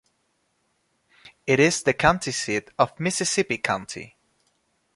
It is the county seat of Mississippi County.